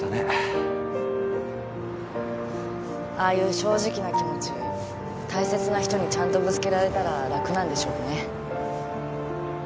ああいう正直な気持ち大切な人にちゃんとぶつけられたら楽なんでしょうね。